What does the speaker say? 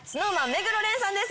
目黒蓮さんです